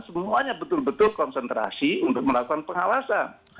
semuanya betul betul konsentrasi untuk melakukan pengawasan